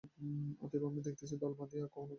অতএব আমরা দেখিতেছি, দল বাঁধিয়া কখনও ধর্ম হইতে পারে না।